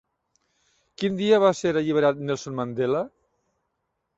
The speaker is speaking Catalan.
Quin dia va ser alliberat Nelson Mandela?